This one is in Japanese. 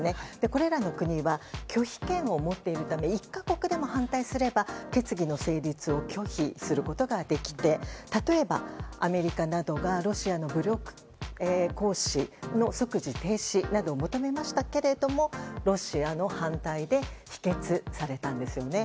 これらの国は拒否権を持っているため１か国でも反対すれば決議の成立を拒否することができて例えば、アメリカなどがロシアの武力行使の即時停止などを求めましたけれどもロシアの反対で否決されたんですよね。